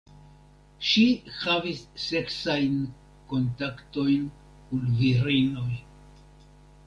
Ŝi havis seksajn kontaktojn kun virinoj.